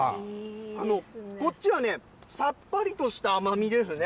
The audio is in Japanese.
こっちはさっぱりとした甘みですね。